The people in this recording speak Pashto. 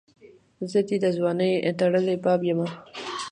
زه دي دځوانۍ ټړلي باب یمه